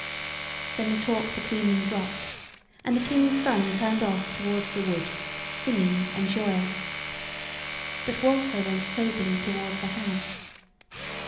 Then the talk between them dropped, and the King's Son turned off toward the wood, singing and joyous; but Walter went soberly toward the house.